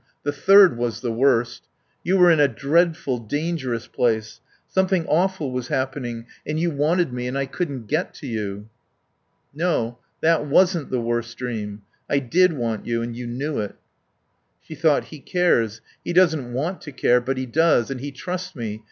The third was the worst. You were in a dreadful, dangerous place. Something awful was happening, and you wanted me, and I couldn't get to you." "No, that wasn't the worst dream. I did want you, and you knew it." She thought: "He cares. He doesn't want to care, but he does. And he trusts me.